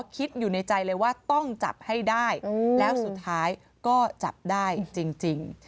คิดอยู่ในใจเลยว่าต้องจับให้ได้แล้วสุดท้ายก็จับได้จริง